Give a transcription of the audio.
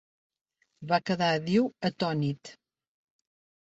Va quedar, diu, "atònit".